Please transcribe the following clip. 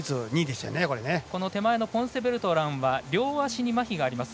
ポンセベルトランは両足にまひがあります。